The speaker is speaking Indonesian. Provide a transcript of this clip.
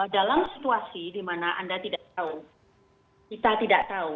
dalam situasi di mana anda tidak tahu kita tidak tahu